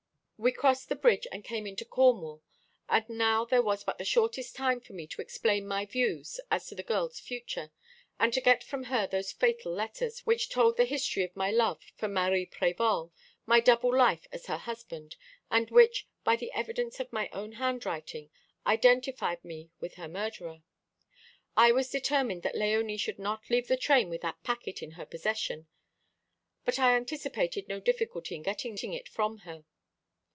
"We crossed the bridge and came into Cornwall; and now there was but the shortest time for me to explain my views as to the girl's future, and to get from her those fatal letters, which told the history of my love for Marie Prévol, my double life as her husband, and which, by the evidence of my own handwriting, identified me with her murderer. I was determined that Léonie should not leave the train with that packet in her possession, but I anticipated no difficulty in getting it from her.